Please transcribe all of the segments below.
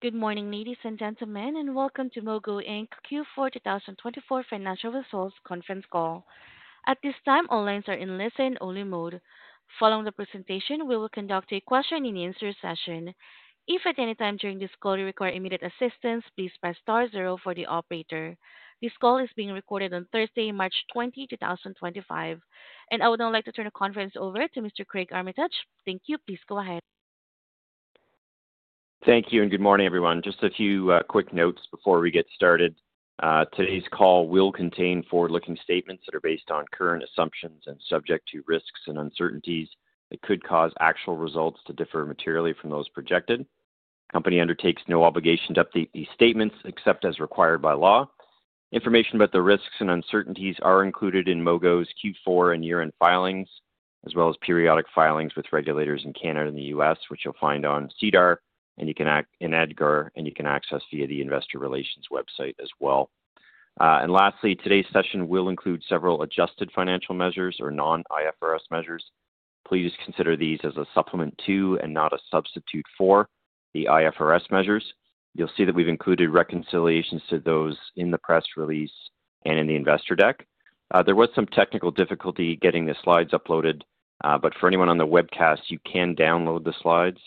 Good morning, ladies and gentlemen, and welcome to Mogo Inc Q4 2024 Financial Results Conference Call. At this time, all lines are in listen-only mode. Following the presentation, we will conduct a question and answer session. If at any time during this call you require immediate assistance, please press star zero for the operator. This call is being recorded on Thursday, March 20, 2025. I would now like to turn the conference over to Mr. Craig Armitage. Thank you. Please go ahead. Thank you, and good morning, everyone. Just a few quick notes before we get started. Today's call will contain forward-looking statements that are based on current assumptions and subject to risks and uncertainties that could cause actual results to differ materially from those projected. The company undertakes no obligation to update these statements except as required by law. Information about the risks and uncertainties are included in Mogo's Q4 and year-end filings, as well as periodic filings with regulators in Canada and the U.S., which you'll find on SEDAR and EDGAR, and you can access via the Investor Relations website as well. Lastly, today's session will include several adjusted financial measures or non-IFRS measures. Please consider these as a supplement to and not a substitute for the IFRS measures. You'll see that we've included reconciliations to those in the press release and in the investor deck. There was some technical difficulty getting the slides uploaded, but for anyone on the webcast, you can download the slides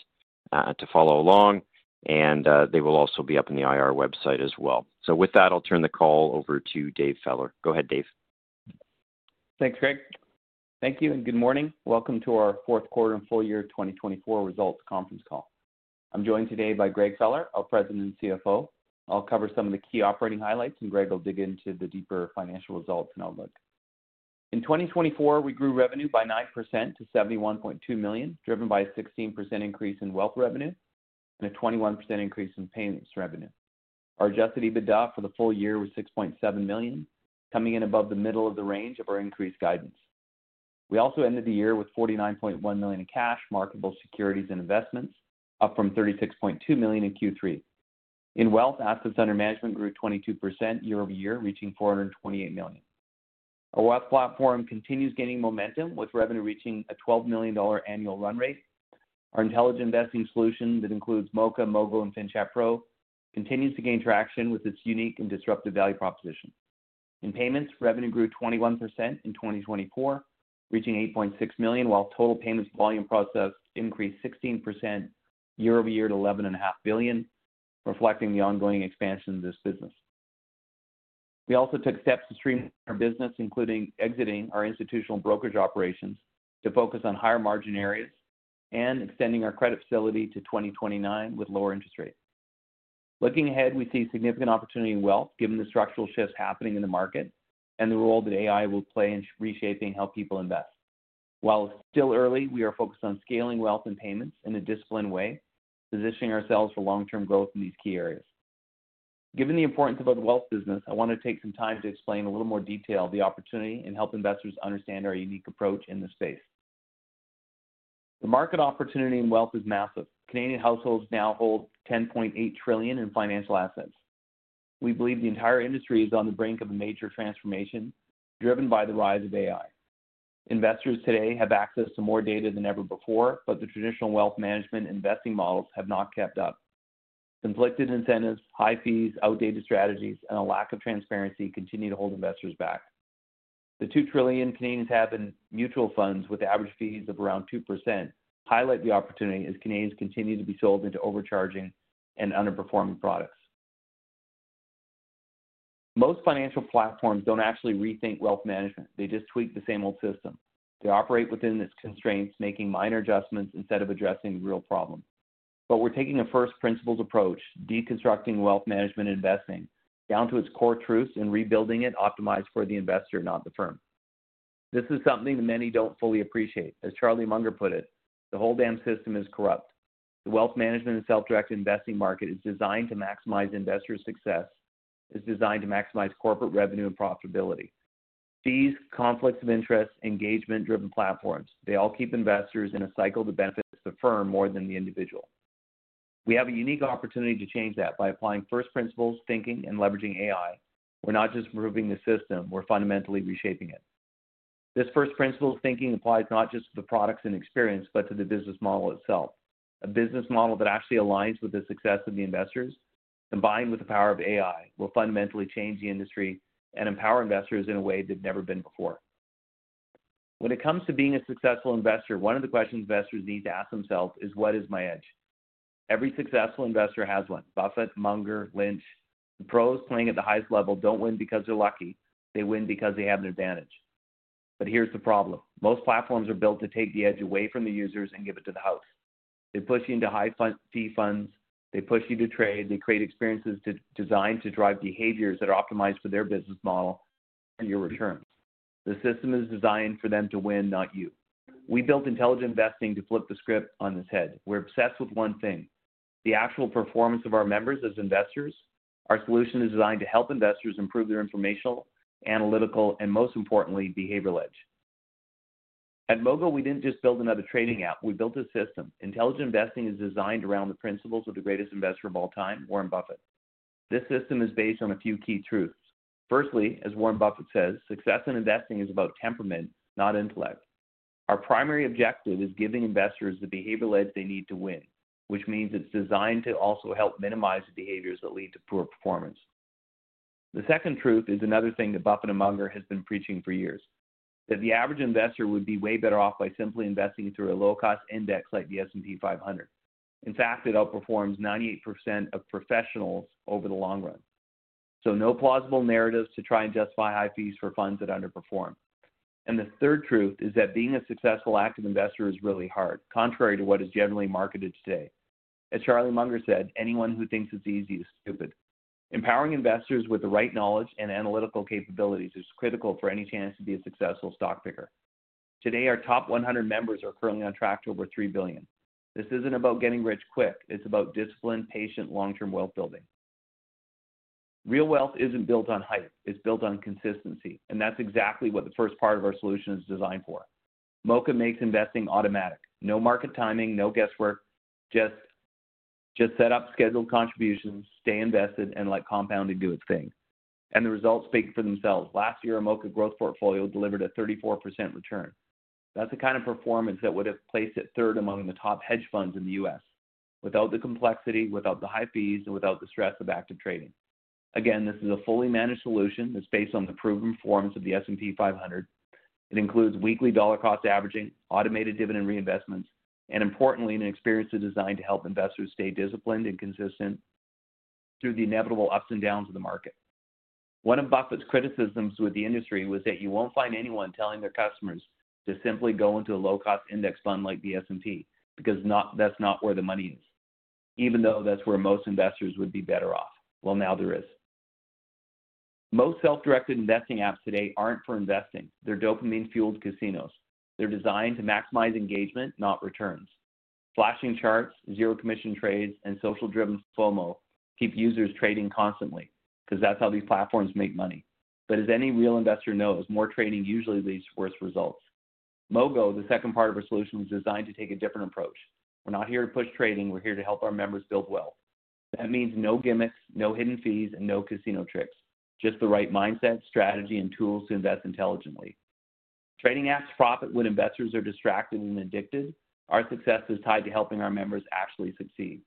to follow along, and they will also be up on the IR website as well. With that, I'll turn the call over to Dave Feller. Go ahead, Dave. Thanks, Craig. Thank you, and good morning. Welcome to our Fourth Quarter and Full Year 2024 Results Conference Call. I'm joined today by Greg Feller, our President and CFO. I'll cover some of the key operating highlights, and Greg will dig into the deeper financial results and outlook. In 2024, we grew revenue by 9% to $71.2 million, driven by a 16% increase in wealth revenue and a 21% increase in payments revenue. Our adjusted EBITDA for the full year was $6.7 million, coming in above the middle of the range of our increased guidance. We also ended the year with $49.1 million in cash, marketable securities, and investments, up from $36.2 million in Q3. In wealth, assets under management grew 22% year-over-year, reaching $428 million. Our wealth platform continues gaining momentum, with revenue reaching a $12 million annual run rate. Our intelligent investing solution that includes Moka, Mogo, and FinChat Pro continues to gain traction with its unique and disruptive value proposition. In payments, revenue grew 21% in 2024, reaching 8.6 million, while total payments volume processed increased 16% year-over-year to 11.5 billion, reflecting the ongoing expansion of this business. We also took steps to streamline our business, including exiting our institutional brokerage operations to focus on higher margin areas and extending our credit facility to 2029 with lower interest rates. Looking ahead, we see significant opportunity in wealth, given the structural shifts happening in the market and the role that AI will play in reshaping how people invest. While it's still early, we are focused on scaling wealth and payments in a disciplined way, positioning ourselves for long-term growth in these key areas. Given the importance of the wealth business, I want to take some time to explain in a little more detail the opportunity and help investors understand our unique approach in this space. The market opportunity in wealth is massive. Canadian households now hold 10.8 trillion in financial assets. We believe the entire industry is on the brink of a major transformation driven by the rise of AI. Investors today have access to more data than ever before, but the traditional wealth management investing models have not kept up. Conflicted incentives, high fees, outdated strategies, and a lack of transparency continue to hold investors back. The 2 trillion Canadians have in mutual funds, with average fees of around 2%, highlight the opportunity as Canadians continue to be sold into overcharging and underperforming products. Most financial platforms do not actually rethink wealth management. They just tweak the same old system. They operate within its constraints, making minor adjustments instead of addressing the real problem. We are taking a first-principles approach, deconstructing wealth management investing down to its core truths and rebuilding it optimized for the investor, not the firm. This is something that many do not fully appreciate. As Charlie Munger put it, "The whole damn system is corrupt." The wealth management and self-directed investing market is designed to maximize corporate revenue and profitability. Fees, conflicts of interest, engagement-driven platforms—they all keep investors in a cycle that benefits the firm more than the individual. We have a unique opportunity to change that by applying first-principles thinking and leveraging AI. We are not just improving the system; we are fundamentally reshaping it. This first-principles thinking applies not just to the products and experience, but to the business model itself. A business model that actually aligns with the success of the investors, combined with the power of AI, will fundamentally change the industry and empower investors in a way they've never been before. When it comes to being a successful investor, one of the questions investors need to ask themselves is, "What is my edge?" Every successful investor has one: Buffett, Munger, Lynch. The pros playing at the highest level don't win because they're lucky; they win because they have an advantage. Here's the problem: most platforms are built to take the edge away from the users and give it to the house. They push you into high-fee funds; they push you to trade; they create experiences designed to drive behaviors that are optimized for their business model and your returns. The system is designed for them to win, not you. We built intelligent investing to flip the script on its head. We're obsessed with one thing: the actual performance of our members as investors. Our solution is designed to help investors improve their informational, analytical, and most importantly, behavioral edge. At Mogo, we didn't just build another trading app, we built a system. Intelligent investing is designed around the principles of the greatest investor of all time, Warren Buffett. This system is based on a few key truths. Firstly, as Warren Buffett says, "Success in investing is about temperament, not intellect." Our primary objective is giving investors the behavioral edge they need to win, which means it's designed to also help minimize the behaviors that lead to poor performance. The second truth is another thing that Buffett and Munger have been preaching for years: that the average investor would be way better off by simply investing through a low-cost index like the S&P 500. In fact, it outperforms 98% of professionals over the long run. No plausible narratives to try and justify high fees for funds that underperform. The third truth is that being a successful active investor is really hard, contrary to what is generally marketed today. As Charlie Munger said, "Anyone who thinks it's easy is stupid." Empowering investors with the right knowledge and analytical capabilities is critical for any chance to be a successful stock picker. Today, our top 100 members are currently on track to over 3 billion. This isn't about getting rich quick; it's about disciplined, patient, long-term wealth building. Real wealth isn't built on hype; it's built on consistency, and that's exactly what the first part of our solution is designed for. Moka makes investing automatic. No market timing, no guesswork; just set up scheduled contributions, stay invested, and let compounding do its thing. The results speak for themselves. Last year, a Moka growth portfolio delivered a 34% return. That's the kind of performance that would have placed it third among the top hedge funds in the U.S., without the complexity, without the high fees, and without the stress of active trading. This is a fully managed solution that's based on the proven performance of the S&P 500. It includes weekly dollar-cost averaging, automated dividend reinvestments, and, importantly, an experience designed to help investors stay disciplined and consistent through the inevitable ups and downs of the market. One of Buffett's criticisms with the industry was that you won't find anyone telling their customers to simply go into a low-cost index fund like the S&P because that's not where the money is, even though that's where most investors would be better off. Now there is. Most self-directed investing apps today aren't for investing. They're dopamine-fueled casinos. They're designed to maximize engagement, not returns. Flashing charts, zero-commission trades, and social-driven FOMO keep users trading constantly because that's how these platforms make money. As any real investor knows, more trading usually leads to worse results. Mogo, the second part of our solution, was designed to take a different approach. We're not here to push trading; we're here to help our members build wealth. That means no gimmicks, no hidden fees, and no casino tricks. Just the right mindset, strategy, and tools to invest intelligently. Trading apps profit when investors are distracted and addicted. Our success is tied to helping our members actually succeed.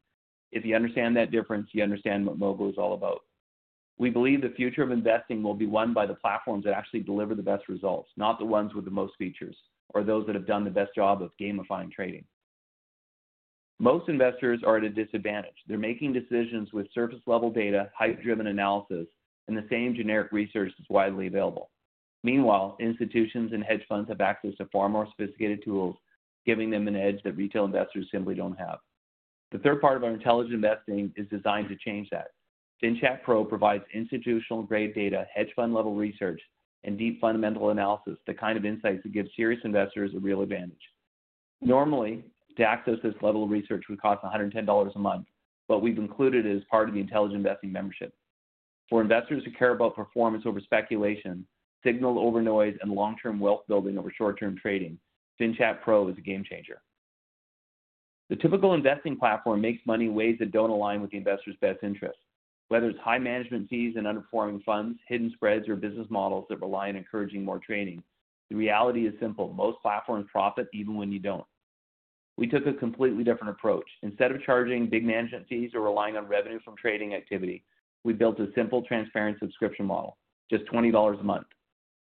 If you understand that difference, you understand what Mogo is all about. We believe the future of investing will be won by the platforms that actually deliver the best results, not the ones with the most features or those that have done the best job of gamifying trading. Most investors are at a disadvantage. They're making decisions with surface-level data, hype-driven analysis, and the same generic research that's widely available. Meanwhile, institutions and hedge funds have access to far more sophisticated tools, giving them an edge that retail investors simply don't have. The third part of our intelligent investing is designed to change that. FinChat Pro provides institutional-grade data, hedge fund-level research, and deep fundamental analysis, the kind of insights that give serious investors a real advantage. Normally, to access this level of research would cost $110 a month, but we've included it as part of the intelligent investing membership. For investors who care about performance over speculation, signal over noise, and long-term wealth building over short-term trading, FinChat Pro is a game changer. The typical investing platform makes money in ways that don't align with the investor's best interests. Whether it's high management fees and underperforming funds, hidden spreads, or business models that rely on encouraging more trading, the reality is simple: most platforms profit even when you don't. We took a completely different approach. Instead of charging big management fees or relying on revenue from trading activity, we built a simple, transparent subscription model, just $20 a month.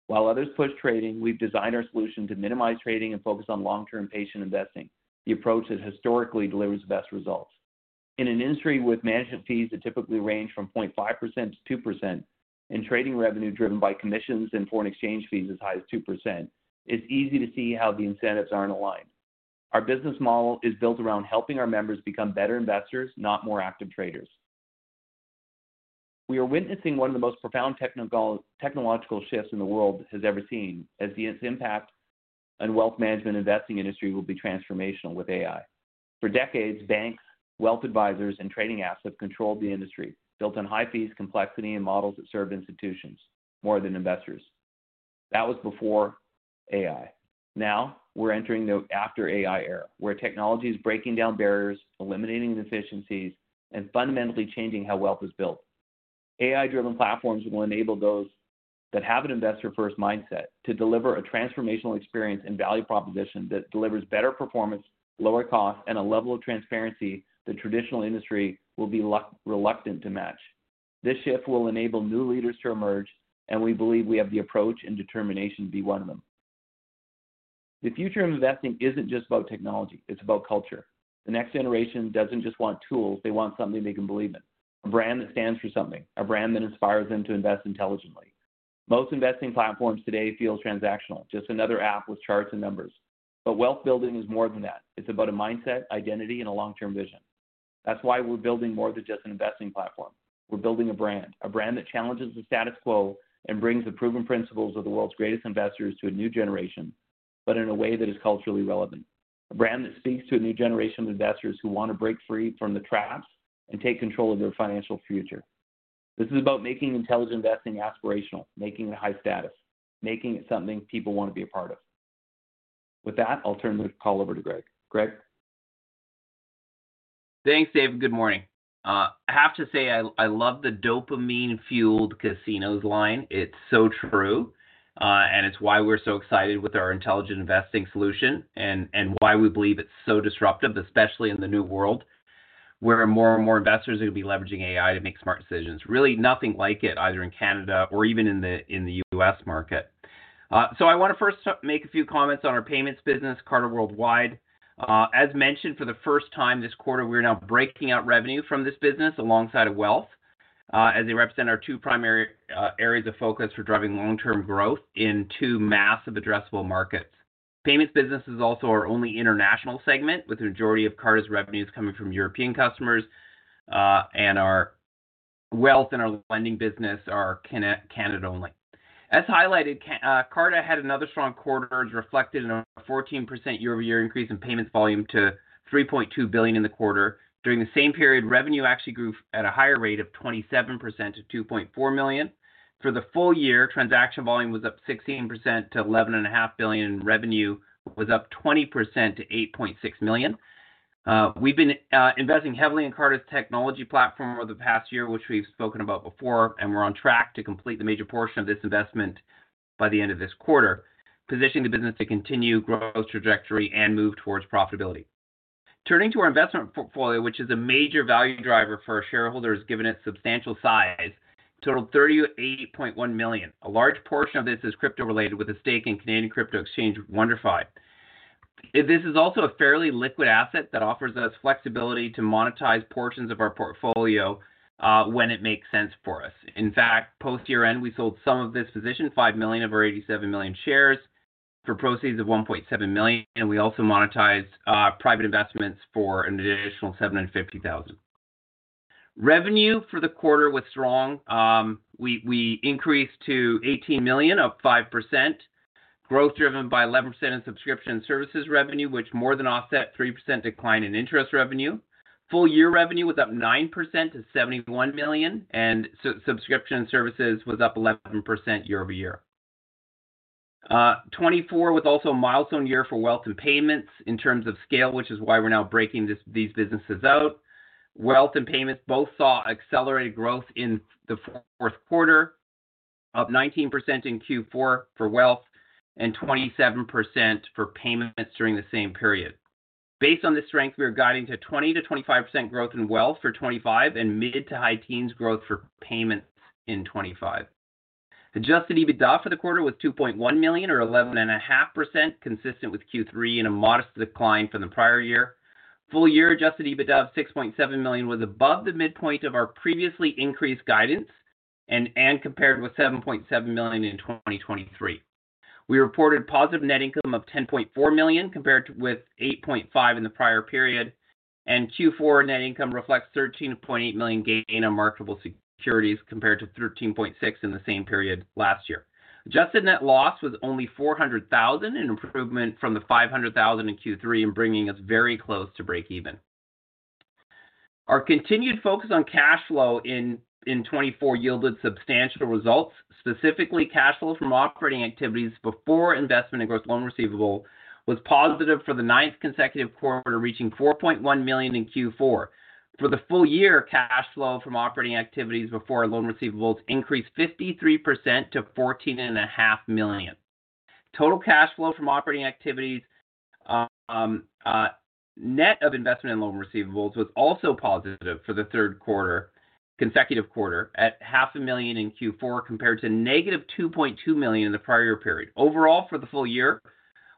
While others push trading, we've designed our solution to minimize trading and focus on long-term, patient investing, the approach that historically delivers the best results. In an industry with management fees that typically range from 0.5%-2% and trading revenue driven by commissions and foreign exchange fees as high as 2%, it's easy to see how the incentives aren't aligned. Our business model is built around helping our members become better investors, not more active traders. We are witnessing one of the most profound technological shifts the world has ever seen, as its impact on the wealth management investing industry will be transformational with AI. For decades, banks, wealth advisors, and trading apps have controlled the industry, built on high fees, complexity, and models that serve institutions more than investors. That was before AI. Now we're entering the after-AI era, where technology is breaking down barriers, eliminating inefficiencies, and fundamentally changing how wealth is built. AI-driven platforms will enable those that have an investor-first mindset to deliver a transformational experience and value proposition that delivers better performance, lower costs, and a level of transparency the traditional industry will be reluctant to match. This shift will enable new leaders to emerge, and we believe we have the approach and determination to be one of them. The future of investing isn't just about technology; it's about culture. The next generation doesn't just want tools; they want something they can believe in, a brand that stands for something, a brand that inspires them to invest intelligently. Most investing platforms today feel transactional, just another app with charts and numbers. Wealth building is more than that. It's about a mindset, identity, and a long-term vision. That's why we're building more than just an investing platform. We're building a brand, a brand that challenges the status quo and brings the proven principles of the world's greatest investors to a new generation, but in a way that is culturally relevant. A brand that speaks to a new generation of investors who want to break free from the traps and take control of their financial future. This is about making intelligent investing aspirational, making it high status, making it something people want to be a part of. With that, I'll turn the call over to Greg. Greg? Thanks, Dave. Good morning. I have to say I love the dopamine-fueled casinos line. It's so true, and it's why we're so excited with our intelligent investing solution and why we believe it's so disruptive, especially in the new world where more and more investors are going to be leveraging AI to make smart decisions. Really nothing like it, either in Canada or even in the U.S. market. I want to first make a few comments on our payments business, Carta Worldwide. As mentioned, for the first time this quarter, we're now breaking out revenue from this business alongside wealth as they represent our two primary areas of focus for driving long-term growth in two massive addressable markets. Payments business is also our only international segment, with the majority of Carta's revenues coming from European customers, and our wealth and our lending business are Canada only. As highlighted, Carta had another strong quarter as reflected in a 14% year-over-year increase in payments volume to $3.2 billion in the quarter. During the same period, revenue actually grew at a higher rate of 27% to $2.4 million. For the full year, transaction volume was up 16% to $11.5 billion, and revenue was up 20% to $8.6 million. We've been investing heavily in Carta's technology platform over the past year, which we've spoken about before, and we're on track to complete the major portion of this investment by the end of this quarter, positioning the business to continue growth trajectory and move towards profitability. Turning to our investment portfolio, which is a major value driver for our shareholders given its substantial size, totaled $38.1 million. A large portion of this is crypto-related with a stake in Canadian crypto exchange WonderFi. This is also a fairly liquid asset that offers us flexibility to monetize portions of our portfolio when it makes sense for us. In fact, post-year-end, we sold some of this position, 5 million of our 87 million shares for proceeds of $1.7 million, and we also monetized private investments for an additional $750,000. Revenue for the quarter was strong. We increased to $18 million, up 5%, growth driven by 11% in subscription and services revenue, which more than offset 3% decline in interest revenue. Full-year revenue was up 9% to $71 million, and subscription and services was up 11% year-over-year. 2024 was also a milestone year for wealth and payments in terms of scale, which is why we're now breaking these businesses out. Wealth and payments both saw accelerated growth in the fourth quarter, up 19% in Q4 for wealth and 27% for payments during the same period. Based on this strength, we are guiding to 20%-25% growth in wealth for 2025 and mid to high teens growth for payments in 2025. Adjusted EBITDA for the quarter was $2.1 million, or 11.5%, consistent with Q3 and a modest decline from the prior year. Full-year adjusted EBITDA of $6.7 million was above the midpoint of our previously increased guidance and compared with $7.7 million in 2023. We reported positive net income of $10.4 million compared with $8.5 million in the prior period, and Q4 net income reflects a $13.8 million gain on marketable securities compared to $13.6 million in the same period last year. Adjusted net loss was only $400,000, an improvement from the $500,000 in Q3 and bringing us very close to break-even. Our continued focus on cash flow in 2024 yielded substantial results. Specifically, cash flow from operating activities before investment and gross loan receivable was positive for the ninth consecutive quarter, reaching $4.1 million in Q4. For the full year, cash flow from operating activities before loan receivables increased 53% to $14.5 million. Total cash flow from operating activities, net of investment and loan receivables, was also positive for the third consecutive quarter, at $500,000 in Q4 compared to -$2.2 million in the prior period. Overall, for the full year,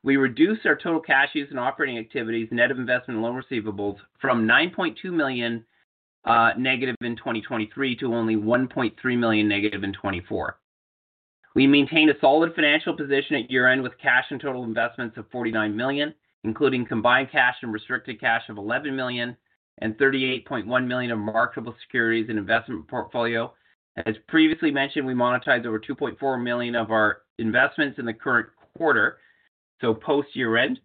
we reduced our total cash use in operating activities, net of investment and loan receivables, from -$9.2 million in 2023 to only -$1.3 million in 2024. We maintained a solid financial position at year-end with cash and total investments of $49 million, including combined cash and restricted cash of $11 million and $38.1 million of marketable securities in investment portfolio. As previously mentioned, we monetized over $2.4 million of our investments in the current quarter, so post-year-end,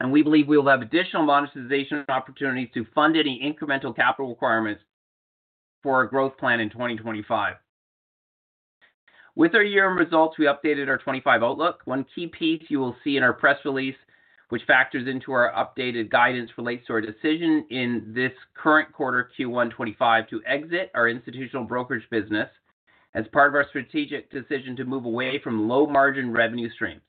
and we believe we will have additional monetization opportunities to fund any incremental capital requirements for our growth plan in 2025. With our year-end results, we updated our 2025 outlook. One key piece you will see in our press release, which factors into our updated guidance, relates to our decision in this current quarter, Q1 2025, to exit our institutional brokerage business as part of our strategic decision to move away from low-margin revenue streams.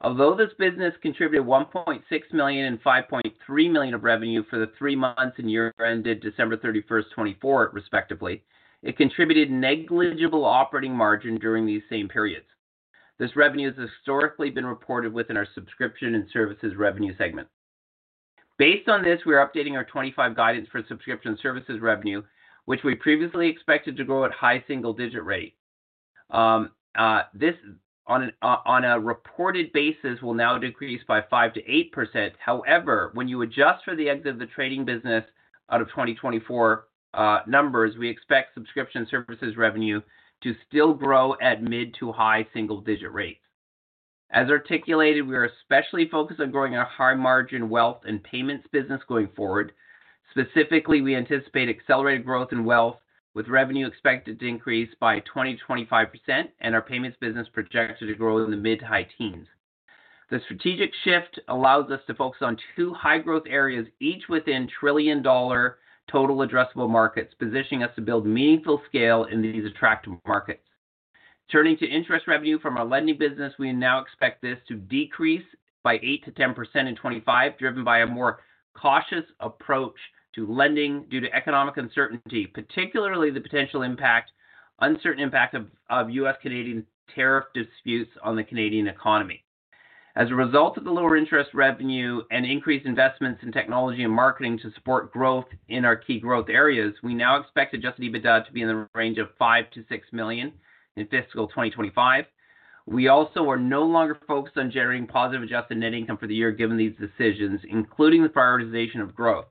Although this business contributed $1.6 million and $5.3 million of revenue for the three months and year ended December 31st, 2024, respectively, it contributed negligible operating margin during these same periods. This revenue has historically been reported within our subscription and services revenue segment. Based on this, we are updating our 2025 guidance for subscription services revenue, which we previously expected to grow at a high single-digit rate. This, on a reported basis, will now decrease by 5%-8%. However, when you adjust for the exit of the trading business out of 2024 numbers, we expect subscription services revenue to still grow at mid to high single-digit rates. As articulated, we are especially focused on growing our high-margin wealth and payments business going forward. Specifically, we anticipate accelerated growth in wealth with revenue expected to increase by 20%-25%, and our payments business projected to grow in the mid to high teens. The strategic shift allows us to focus on two high-growth areas, each within trillion-dollar total addressable markets, positioning us to build meaningful scale in these attractive markets. Turning to interest revenue from our lending business, we now expect this to decrease by 8%-10% in 2025, driven by a more cautious approach to lending due to economic uncertainty, particularly the potential uncertain impact of U.S.-Canadian tariff disputes on the Canadian economy. As a result of the lower interest revenue and increased investments in technology and marketing to support growth in our key growth areas, we now expect adjusted EBITDA to be in the range of 5 million-6 million in fiscal 2025. We also are no longer focused on generating positive adjusted net income for the year given these decisions, including the prioritization of growth.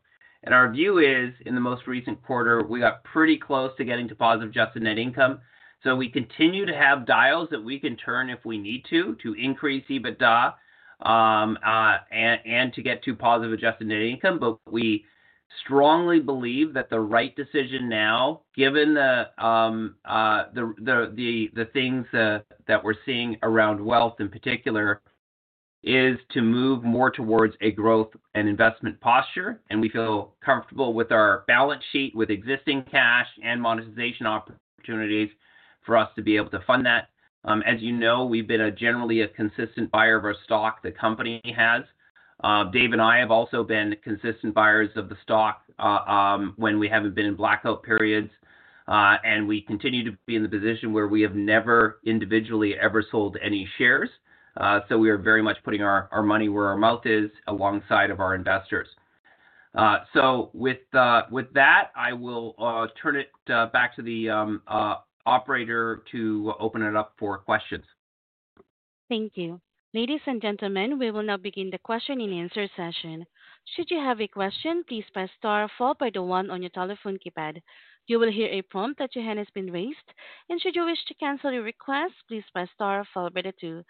Our view is, in the most recent quarter, we got pretty close to getting to positive adjusted net income. We continue to have dials that we can turn if we need to, to increase EBITDA and to get to positive adjusted net income, but we strongly believe that the right decision now, given the things that we're seeing around wealth in particular, is to move more towards a growth and investment posture. We feel comfortable with our balance sheet, with existing cash and monetization opportunities for us to be able to fund that. As you know, we've been generally a consistent buyer of our stock. The company has. Dave and I have also been consistent buyers of the stock when we haven't been in blackout periods, and we continue to be in the position where we have never individually ever sold any shares. We are very much putting our money where our mouth is alongside of our investors. With that, I will turn it back to the operator to open it up for questions. Thank you. Ladies and gentlemen, we will now begin the question and answer session. Should you have a question, please press star followed by the one on your telephone keypad. You will hear a prompt that your hand has been raised. Should you wish to cancel your request, please press star followed by the two.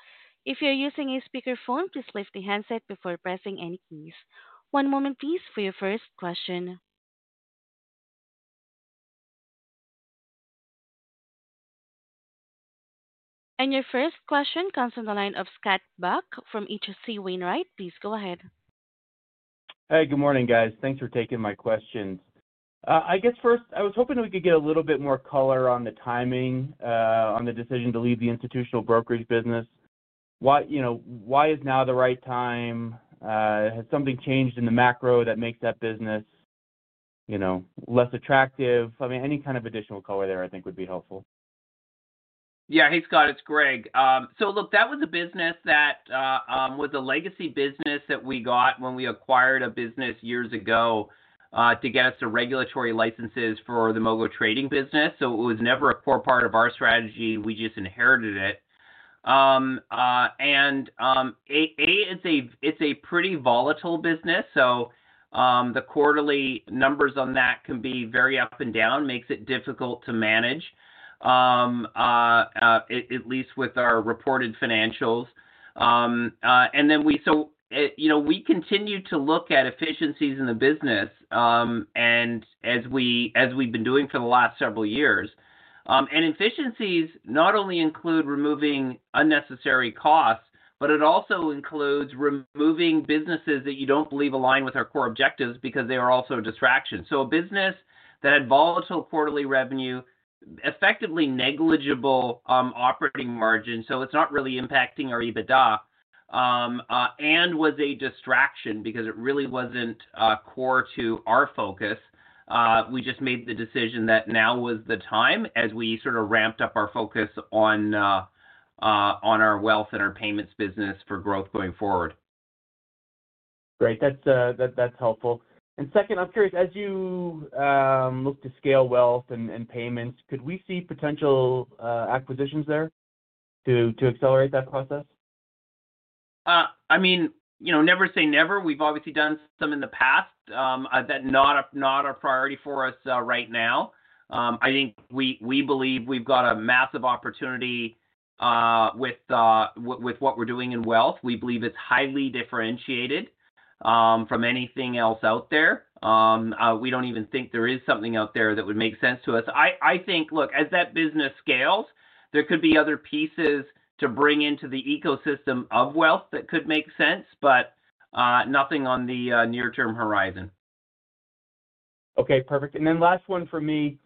If you're using a speakerphone, please lift the handset before pressing any keys. One moment, please, for your first question. Your first question comes from the line of Scott Buck from H.C. Wainwright. Please go ahead. Hey, good morning, guys. Thanks for taking my questions. I guess first, I was hoping we could get a little bit more color on the timing, on the decision to leave the institutional brokerage business. Why is now the right time? Has something changed in the macro that makes that business less attractive? I mean, any kind of additional color there, I think, would be helpful. Yeah, hey, Scott, it's Greg. Look, that was a business that was a legacy business that we got when we acquired a business years ago to get us the regulatory licenses for the Mogo Trading business. It was never a core part of our strategy. We just inherited it. And, it's a pretty volatile business. The quarterly numbers on that can be very up and down, makes it difficult to manage, at least with our reported financials. We continue to look at efficiencies in the business, as we've been doing for the last several years. Efficiencies not only include removing unnecessary costs, but it also includes removing businesses that you do not believe align with our core objectives because they are also a distraction. A business that had volatile quarterly revenue, effectively negligible operating margin, so it is not really impacting our EBITDA, and was a distraction because it really was not core to our focus. We just made the decision that now was the time as we sort of ramped up our focus on our wealth and our payments business for growth going forward. Great. That is helpful. Second, I am curious, as you look to scale wealth and payments, could we see potential acquisitions there to accelerate that process? I mean, never say never. We have obviously done some in the past. That is not our priority for us right now. I think we believe we have got a massive opportunity with what we are doing in wealth. We believe it's highly differentiated from anything else out there. We don't even think there is something out there that would make sense to us. I think, look, as that business scales, there could be other pieces to bring into the ecosystem of wealth that could make sense, but nothing on the near-term horizon. Okay. Perfect. And then last one for me,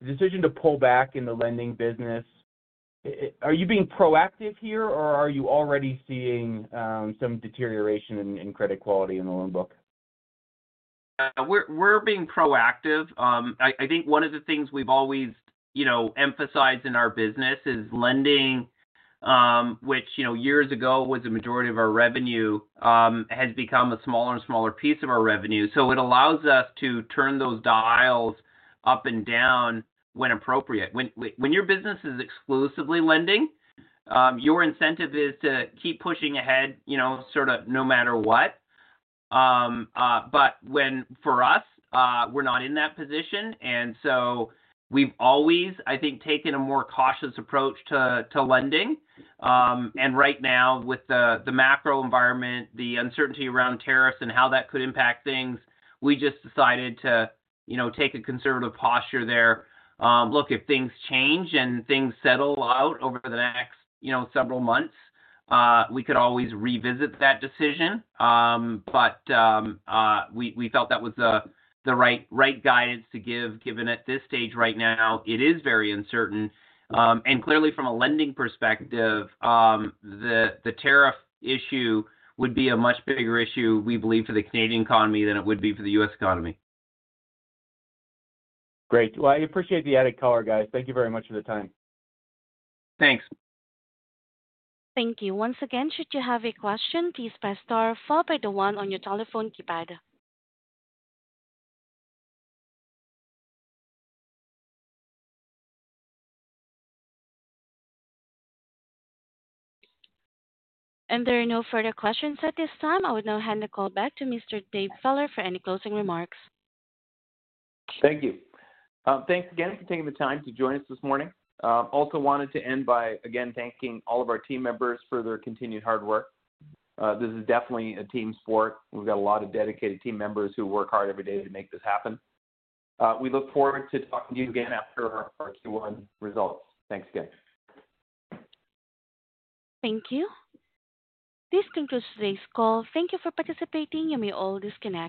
the decision to pull back in the lending business, are you being proactive here, or are you already seeing some deterioration in credit quality in the loan book? We're being proactive. I think one of the things we've always emphasized in our business is lending, which years ago was a majority of our revenue, has become a smaller and smaller piece of our revenue. So it allows us to turn those dials up and down when appropriate. When your business is exclusively lending, your incentive is to keep pushing ahead sort of no matter what. For us, we're not in that position. We've always, I think, taken a more cautious approach to lending. Right now, with the macro environment, the uncertainty around tariffs and how that could impact things, we just decided to take a conservative posture there. Look, if things change and things settle out over the next several months, we could always revisit that decision. We felt that was the right guidance to give, given at this stage right now, it is very uncertain. Clearly, from a lending perspective, the tariff issue would be a much bigger issue, we believe, for the Canadian economy than it would be for the U.S. economy. Great. I appreciate the added color, guys. Thank you very much for the time. Thanks. Thank you. Once again, should you have a question, please press star followed by the one on your telephone keypad. There are no further questions at this time. I will now hand the call back to Mr. Dave Feller for any closing remarks. Thank you. Thanks again for taking the time to join us this morning. Also wanted to end by, again, thanking all of our team members for their continued hard work. This is definitely a team sport. We have a lot of dedicated team members who work hard every day to make this happen. We look forward to talking to you again after our Q1 results. Thanks again. Thank you. This concludes today's call. Thank you for participating and you may all disconnect.